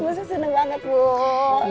bu bos aku seneng banget bu